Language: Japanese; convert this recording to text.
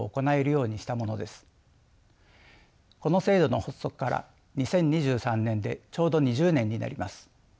この制度の発足から２０２３年でちょうど２０年になります。